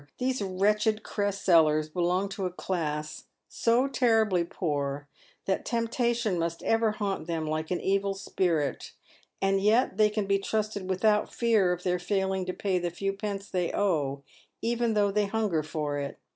These wretched cress sellers belong to a class so terribly poor, that temptation must ever haunt them like an evil spirit ; and yet they can be trusted without fear of their failing to pay the few pence they owe, even though they hunger for it.